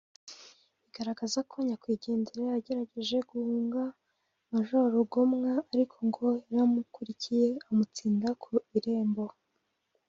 bigaragaza ko nyakwigendera yagerageje guhunga Maj Rugomwa ariko ngo yaramukurikiye amutsinda ku irembo